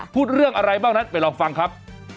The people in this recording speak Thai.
พูดเรื่องอะไรบ้างนั้นไปลองฟังครับ